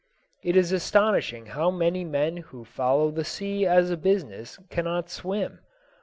It is astonishing how many men who follow the sea as a business cannot swim.